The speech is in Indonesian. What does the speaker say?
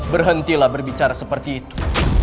berhentilah berbicara seperti itu